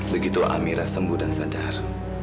begitu amira sembuh dan sadar